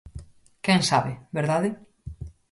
Quen sabe, verdade?